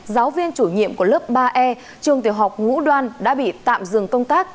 giáo viên chủ nhiệm của lớp ba e trường tiểu học ngũ đoan đã bị tạm dừng công tác